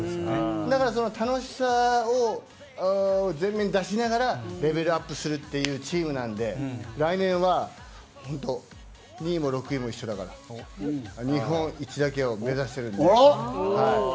だから、その楽しさを前面に出しながらレベルアップするというチームなので、来年は本当、２位も６位も一緒だから日本一だけを目指してるんで。